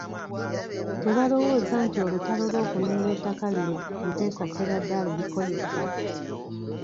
Tebalowooza nti olutalo lw'okununula ettaka lino, Muteesa Sserwadda aluliko yekka.